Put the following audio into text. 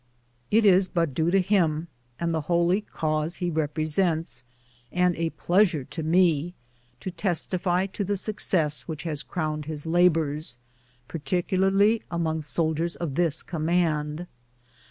"It is but due to him and the holy cause he represents, and a pleasure to me, to testify to the success which has crowned his labors, particularly among the soldiers of this command.